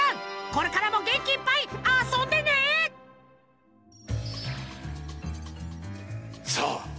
これからもげんきいっぱいあそんでねさあ